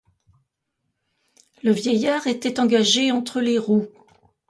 Le vieillard était engagé entre les roues.